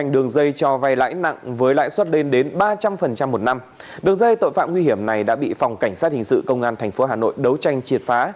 đường dây tội phạm nguy hiểm này đã bị phòng cảnh sát hình sự công an tp hà nội đấu tranh triệt phá